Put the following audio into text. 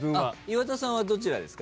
岩田さんはどちらですか？